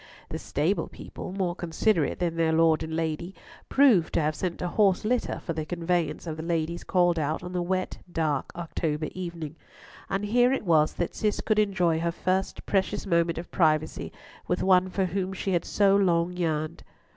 The stable people, more considerate than their Lord and Lady, proved to have sent a horse litter for the conveyance of the ladies called out on the wet dark October evening, and here it was that Cis could enjoy her first precious moment of privacy with one for whom she had so long yearned.